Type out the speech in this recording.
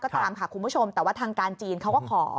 ก็ตามค่ะคุณผู้ชมแต่ว่าทางการจีนเขาก็ขอ